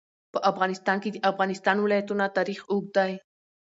په افغانستان کې د د افغانستان ولايتونه تاریخ اوږد دی.